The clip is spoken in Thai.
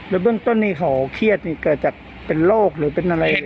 แล้วเบื้องต้นนี่ของเขี้ยวเกิดจากเป็นโรคหรือเป็นอะไรอื่น